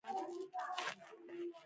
کله چې حساسه مقطعه رارسېږي.